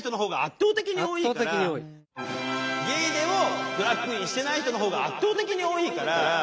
ゲイでもドラァグクイーンしてない人の方が圧倒的に多いから。